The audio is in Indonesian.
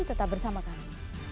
tetap bersama kami